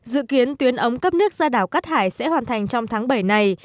dự kiến tuyến ống cấp nước ra đảo cát hải sẽ hoàn thành trong tháng bảy này